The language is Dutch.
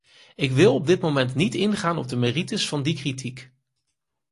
Ik wil op dit moment niet ingaan op de merites van die kritiek.